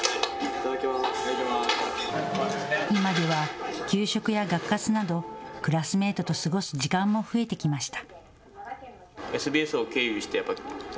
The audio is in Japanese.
今では給食や学活などクラスメートと過ごす時間も増えてきました。